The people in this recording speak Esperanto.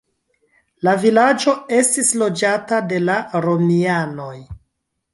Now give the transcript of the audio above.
La vilaĝo estis loĝata de la romianoj.